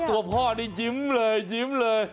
ตัวพ่อนี่ยิ้มเลยยิ้มเลย